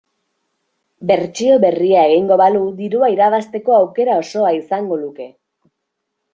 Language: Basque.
Bertsio berria egingo balu dirua irabazteko aukera osoa izango luke.